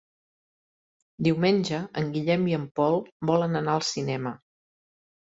Diumenge en Guillem i en Pol volen anar al cinema.